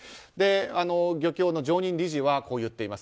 漁協の常任理事はこう言っています。